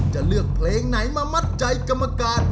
จะเลือกเพลงไหนมามัดใจกรรมการ